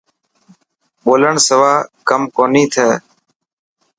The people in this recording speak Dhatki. ٻولڻ سوا ڪم ڪوني ٿي.